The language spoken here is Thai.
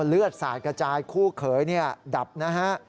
เลือดสาดกระจายคู่เขยดับนะฮะ